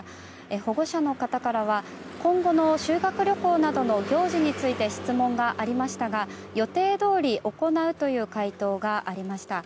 保護者の方からは今後の修学旅行などの行事について質問がありましたが予定どおり行うという回答がありました。